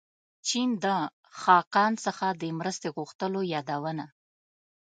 چین د خاقان څخه د مرستې غوښتلو یادونه.